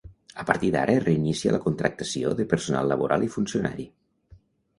A partir d'ara es reinicia la contractació de personal laboral i funcionari.